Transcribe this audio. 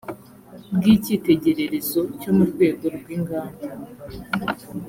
bw icyitegererezo cyo mu rwego rw inganda